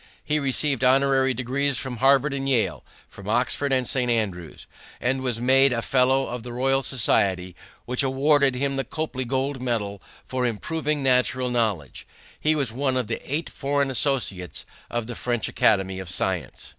He received honorary degrees from Harvard and Yale, from Oxford and St. Andrews, and was made a fellow of the Royal Society, which awarded him the Copley gold medal for improving natural knowledge. He was one of the eight foreign associates of the French Academy of Science.